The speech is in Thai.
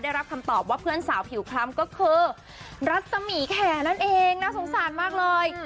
ได้รับคำตอบว่าเพื่อนสาวผิวคล้ำก็คือรัศมีแข่นั่นเองน่าสงสารมากเลย